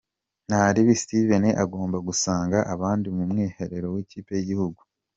Ntaribi Steven agomba gusanga abandi mu mwiherero w'ikipe y'igihugu.